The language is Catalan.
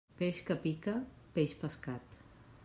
Peix que pica, peix pescat.